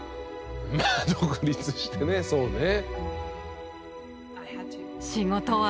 まあ独立してねそうね。